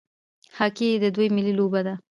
هاکي د دوی ملي لوبه ده.